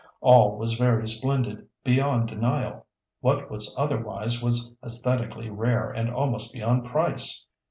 All was very splendid, beyond denial. What was otherwise was æsthetically rare and almost beyond price.